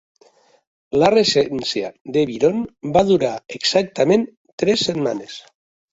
La regència de Biron va durar exactament tres setmanes.